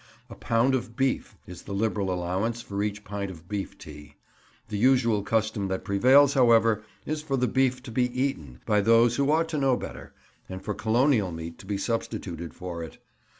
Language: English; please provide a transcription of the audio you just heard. A pound of beef is the liberal allowance for each pint of beef tea. The usual custom that prevails, however, is for the beef to be eaten, by those who ought to know better, and for Colonial meat to be substituted for it.